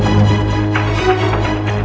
lalu itu dia